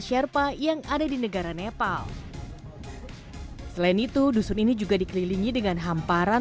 sherpa yang ada di negara nepal selain itu dusun ini juga dikelilingi dengan hamparan